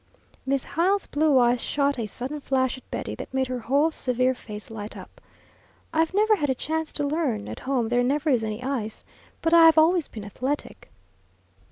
Miss Hyle's blue eyes shot a sudden flash at Betty that made her whole severe face light up. "I've never had a chance to learn at home there never is any ice but I have always been athletic."